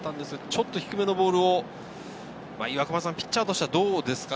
ちょっと低めのボールをピッチャーとしてはどうですか？